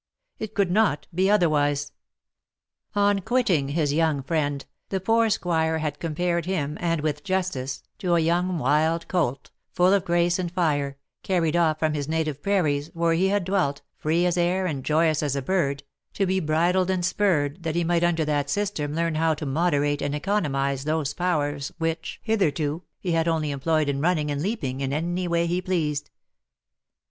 It could not be otherwise. On quitting his young friend, the poor squire had compared him, and with justice, to a young wild colt, full of grace and fire, carried off from his native prairies, where he had dwelt, free as air, and joyous as a bird, to be bridled and spurred, that he might under that system learn how to moderate and economise those powers which, hitherto, he had only employed in running and leaping in any way he pleased.